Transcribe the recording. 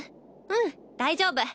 うん大丈夫。